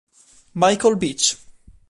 Michael Beach